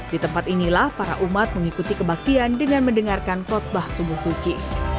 di tempat inilah para umat mengikuti kebaktian dengan mendengarkan khutbah subuh suci